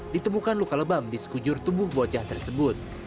ditemukan luka lebam di sekujur tubuh bocah tersebut